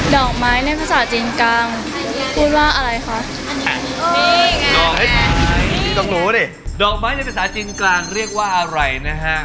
ดอกไม้ในภาษาจีนกลางเรียกว่าอะไรนะคะ